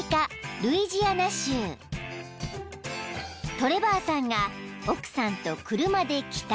［トレバーさんが奥さんと車で帰宅］